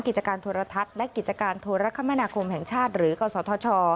กิจการโทรทัศน์และกิจการโทรคมนาคมแห่งชาติหรือกศธช